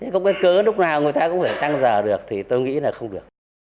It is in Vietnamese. có cái cớ lúc nào người ta cũng phải tăng giờ được thì tôi nghĩ là không được